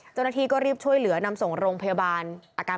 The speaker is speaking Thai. เจ้าหน้าที่ก็รีบช่วยเหลือนำส่งโรงพยาบาลอาการ